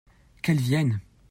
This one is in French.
Qu'elles viennent !